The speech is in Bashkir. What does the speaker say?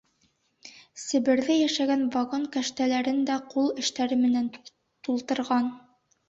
Себерҙә йәшәгән вагон кәштәләрен дә ҡул эштәре менән тултырған.